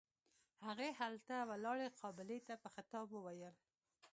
هغې هلته ولاړې قابلې ته په خطاب وويل.